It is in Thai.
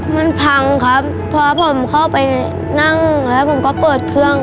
มันพังครับพอผมเข้าไปนั่งแล้วผมก็เปิดเครื่อง